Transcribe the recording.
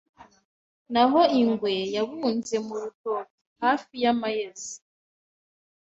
Naho ingwe yabunze mu rutoke hafi y'amayezi